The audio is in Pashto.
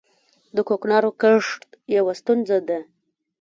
د کوکنارو کښت یوه ستونزه ده